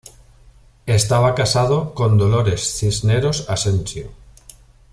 Estaba casado con Dolores Cisneros Asensio.